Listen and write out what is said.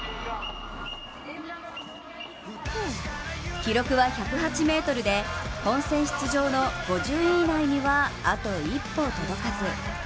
記録は１０８ｍで、本戦出場の５０位以内にはあと一歩届かず。